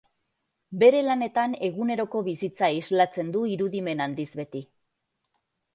Bere lanetan eguneroko bizitza islatzen du irudimen handiz beti.